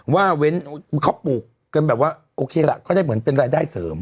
ว่าเว้นเขาปลูกกันแบบว่าโอเคล่ะเขาได้เหมือนเป็นรายได้เสริม